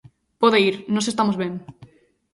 Pode ir, nós estamos ben.